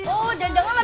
oh jangan jangan lah